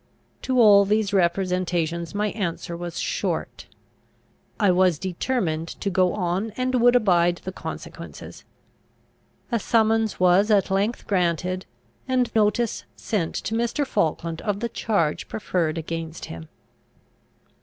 To all these representations my answer was short. "I was determined to go on, and would abide the consequences." A summons was at length granted, and notice sent to Mr. Falkland of the charge preferred against him.